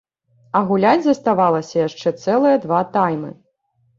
А гуляць заставалася яшчэ цэлыя два таймы.